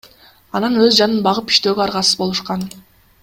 Анан өз жанын багып иштөөгө аргасыз болушкан.